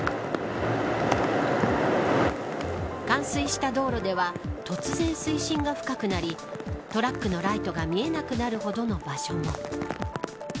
冠水した道路では突然、水深が深くなりトラックのライトが見えなくなるほどの場所も。